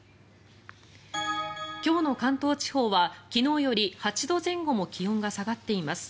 今日の関東地方は昨日より８度前後も気温が下がっています。